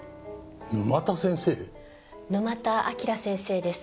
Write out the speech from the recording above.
沼田章先生です。